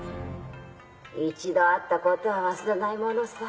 一度あったことは忘れないものさ。